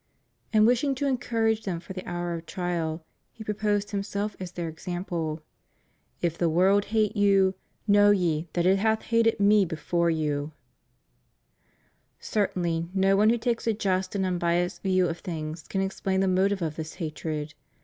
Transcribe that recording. And wishing to en courage them for the hour of trial, He proposed Himself as their example: If the world hate you, know ye that it hath hated Me before you} Certainly, no one who takes a just and imbiassed view of things can explain the motive of this hatred.